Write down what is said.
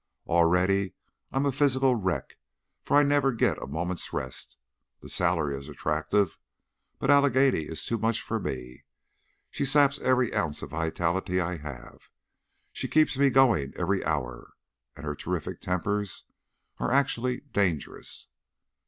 "Already I'm a physical wreck, for I never get a moment's rest. The salary is attractive, but Allegheny is too much for me. She saps every ounce of vitality I have; she keeps me going every hour. And her terrific tempers are actually dangerous."